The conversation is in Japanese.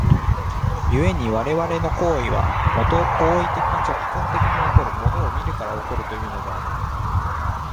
故に我々の行為は、もと行為的直観的に起こる、物を見るから起こるというのである。